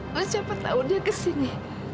wah siapa tahu dia kesini